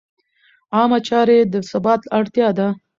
عامه چارې د ثبات اړتیا ده.